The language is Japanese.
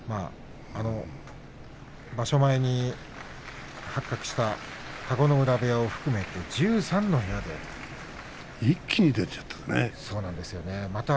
場所前に発覚した田子ノ浦部屋を含めて１３の部屋で陽性者が出ました。